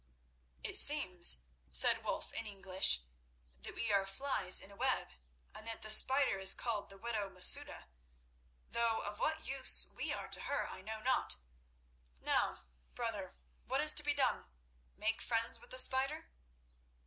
"It seems," said Wulf in English, "that we are flies in a web, and that the spider is called the widow Masouda, though of what use we are to her I know not. Now, brother, what is to be done? Make friends with the spider?"